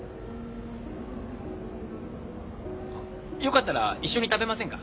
よかったら一緒に食べませんか？